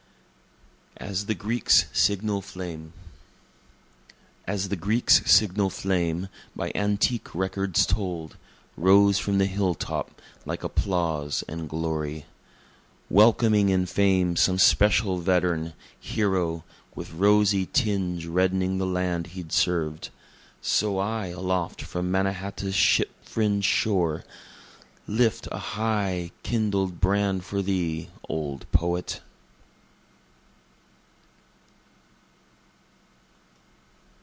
As the Greek's Signal Flame As the Greek's signal flame, by antique records told, Rose from the hill top, like applause and glory, Welcoming in fame some special veteran, hero, With rosy tinge reddening the land he'd served, So I aloft from Mannahatta's ship fringed shore, Lift high a kindled brand for thee, Old Poet.